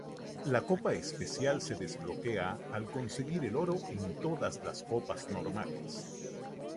La copa especial se desbloquea al conseguir el oro en todas las copas normales.